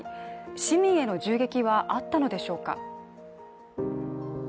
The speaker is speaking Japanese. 市民への銃撃はあったのでしょうか。